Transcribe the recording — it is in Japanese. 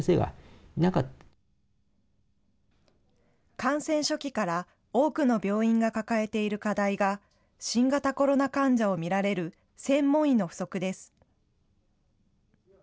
感染初期から、多くの病院が抱えている課題が、新型コロナ患者を診られる専門医の不足です。